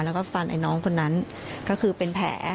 แล้วก็ฟันไอ้น้องคนนั้นก็คือเป็นแผล